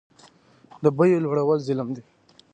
د بیو لوړول ظلم دی